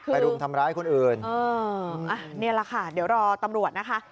รุมทำร้ายคนอื่นนี่แหละค่ะเดี๋ยวรอตำรวจนะคะ